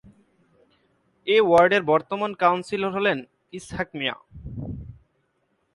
এ ওয়ার্ডের বর্তমান কাউন্সিলর হলেন ইসহাক মিয়া।